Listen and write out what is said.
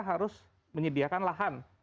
harus menyediakan lahan